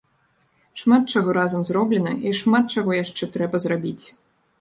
Шмат чаго разам зроблена і шмат чаго яшчэ трэба зрабіць.